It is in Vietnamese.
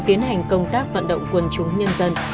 tiến hành công tác vận động quân chúng nhân dân